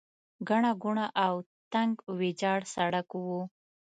ګڼه ګوڼه او تنګ ویجاړ سړک و.